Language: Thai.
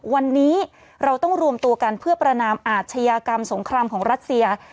วันนี้เราต้องรวมตัวกันเพื่อประนามอาชญากรรมสงครามของรัสเซีย